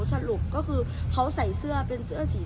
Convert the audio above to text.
สรุปก็คือเขาใส่เสื้อเป็นเสื้อสี